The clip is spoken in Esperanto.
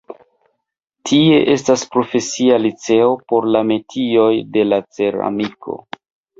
Tie estas profesia liceo por la metioj de la ceramiko.